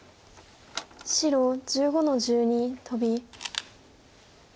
白１５の十二トビ。